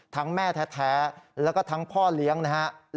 แม่แท้แล้วก็ทั้งพ่อเลี้ยงนะฮะ